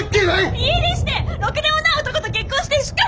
家出してろくでもない男と結婚してしかも。